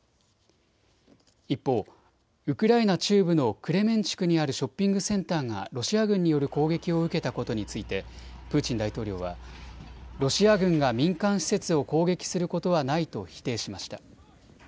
一方、ウクライナ中部のクレメンチュクにあるショッピングセンターがロシア軍による攻撃を受けたことについてプーチン大統領はロシア軍が民間施設を攻撃することはないと否定しました。